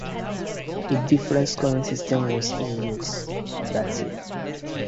A different scoring system was in use that year.